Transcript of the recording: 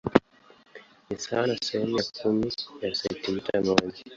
Ni sawa na sehemu ya kumi ya sentimita moja.